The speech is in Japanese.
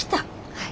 はい。